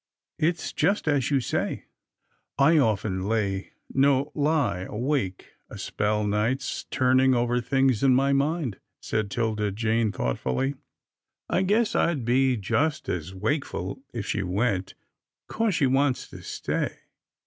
It's just as you say." " I often lay — no, lie — awake a spell nights, turning over things in my mind," said 'Tilda Jane, thoughtfully. " I guess I'd be just as wakeful if she went, 'cause she wants to stay.